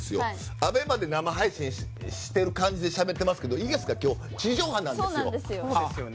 ＡＢＥＭＡで生配信してる感じでしゃべってますけど今日は地上波なんですよ！